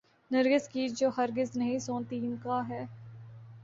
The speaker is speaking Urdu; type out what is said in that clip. نرگس کی جو ہرگز نہیں سوتیعنقا ہے۔